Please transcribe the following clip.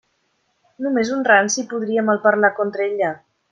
Només un ranci podia malparlar contra ella.